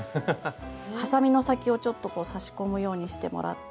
はさみの先をちょっと差し込むようにしてもらって。